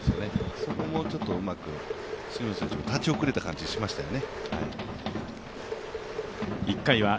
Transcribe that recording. そこもちょっとうまく、杉本選手、立ち遅れた感じがしましたよね。